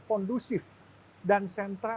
kondusif dan sentra